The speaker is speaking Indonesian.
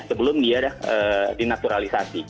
sebelum dia dinaturalisasi